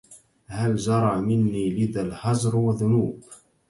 هل جرى مني لذا الهجر ذنوب